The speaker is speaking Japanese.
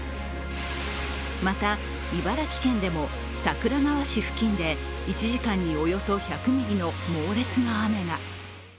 また、茨城県でも桜川市付近で１時間におよそ１００ミリの猛烈な雨が。